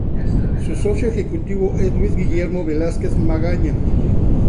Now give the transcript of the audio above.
Su socio ejecutivo es Luis Guillermo Velásquez Magaña.